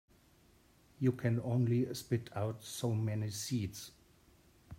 You can only spit out so many seeds.